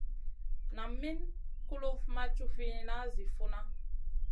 Nam Min kulufn ma cufina zi funa.